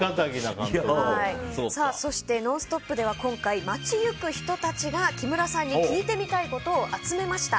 そして「ノンストップ！」では今回、街行く人たちが木村さんに聞いてみたいことを集めました。